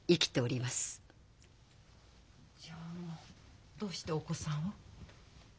じゃあどうしてお子さんを？